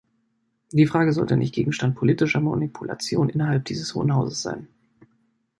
Die Frage sollte nicht Gegenstand politischer Manipulation innerhalb dieses Hohen Hauses sein.